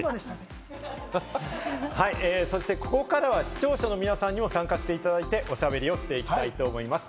ここからは視聴者の皆さんにも参加していただいて、おしゃべりをしていきたいと思います。